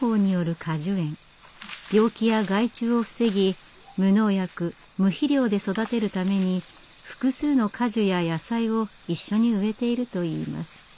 病気や害虫を防ぎ無農薬無肥料で育てるために複数の果樹や野菜を一緒に植えているといいます。